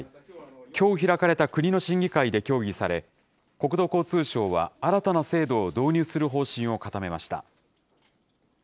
きょう開かれた国の審議会で協議され、国土交通省は新たな制度を導入する方針を固めました。